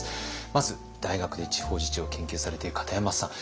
まず大学で地方自治を研究されている片山さん。